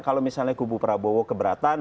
kalau misalnya kubu prabowo keberatan